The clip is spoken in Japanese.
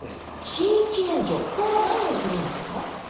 地域援助これは何をするんですか？